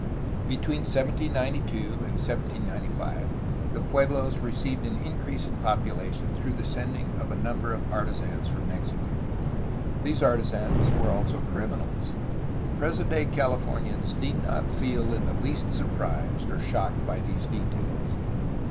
Between 1792 and 1795 the puehlos received an increase in population through the sending of a number of artisans from Mexico; these artisans were also criminals. Present day Californians need not feel in the least surprised or shocked by these details.